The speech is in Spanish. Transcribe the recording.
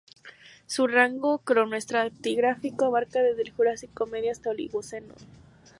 Su rango cronoestratigráfico abarca desde el Jurásico medio hasta el Oligoceno.